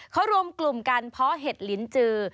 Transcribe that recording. เขารวมกลุ่มการเพาะเห็ดลิ้นจือ